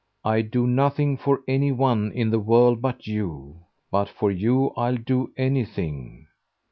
"I do nothing for any one in the world but you. But for you I'll do anything."